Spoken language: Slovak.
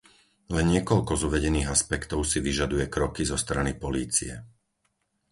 Len niekoľko z uvedených aspektov si vyžaduje kroky zo strany polície.